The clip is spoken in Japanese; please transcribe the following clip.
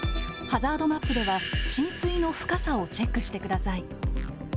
ハザードマップでは、浸水の深さをチェックしてください。